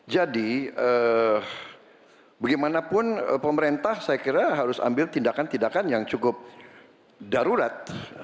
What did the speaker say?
jadi bagaimanapun pemerintah saya kira harus ambil tindakan tindakan yang cukup darurat